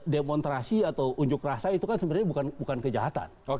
demonstrasi atau unjuk rasa itu kan sebenarnya bukan kejahatan